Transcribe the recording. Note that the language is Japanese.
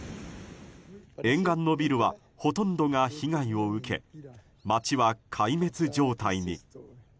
沿岸のビルはほとんどが被害を受け、街は壊滅状態に。